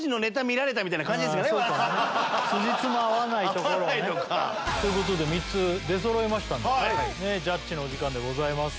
つじつま合わないところをね。ということで３つ出そろいましたのでジャッジのお時間でございます。